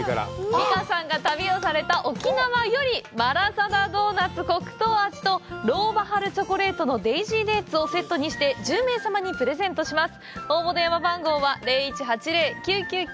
美佳さんが旅をされた沖縄よりマラサダドーナツ黒糖味とローバハルチョコレートのデイジーデーツをセットにして１０名様にプレゼントします。